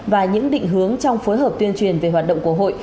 và những định hướng trong phối hợp tuyên truyền về hoạt động của hội